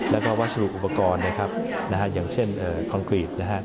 และวัสดุอุปกรณ์อย่างเช่นคอนกรีต